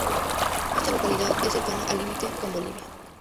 Esta localidad es cercana al límite con Bolivia.